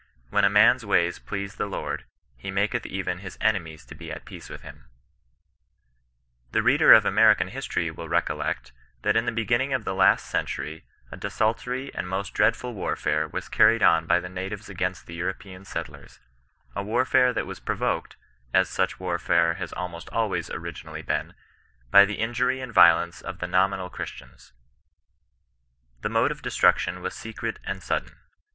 When a man's ways please the Lord,' he ' maJceth even his enemies to he at peace with hiin^ '* The reader of American histoiy will recollect, that in the beginning of the last century a desultory and most dreadful warfare was carried on by the natives against the European settlers ; a warfare that was pro voked — as such warfare has almost always originally been — ^by the injury and violence of the [nominal] Chris tians. The mode of destruction was secret and sudden.